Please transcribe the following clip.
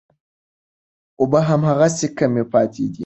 اوبه هماغسې کمې پاتې دي.